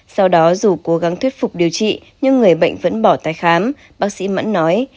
sau đó dù cố gắng thuyết phục điều trị nhưng người bệnh vẫn bỏ tái khám bác sĩ mẫn nói